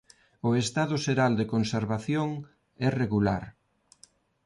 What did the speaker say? O estado xeral de conservación é regular.